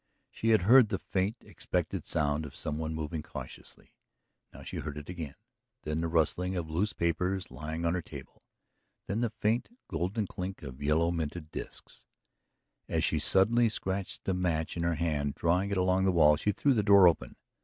She had heard the faint, expected sound of some one moving cautiously. Now she heard it again, then the rustling of loose papers lying on her table, then the faint, golden chink of yellow minted disks. As she suddenly scratched the match in her hand, drawing it along the wall, she threw the door open.